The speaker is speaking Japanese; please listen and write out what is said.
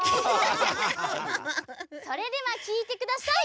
それではきいてください！